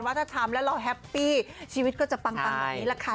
ถ้าทำแล้วเราแฮปปี้ชีวิตก็จะปังแบบนี้แหละค่ะ